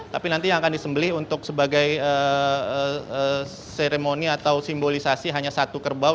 tapi nanti yang akan disembelih untuk sebagai seremoni atau simbolisasi hanya satu kerbau